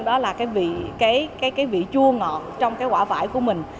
đó là vị chua ngọt trong quả vải của mình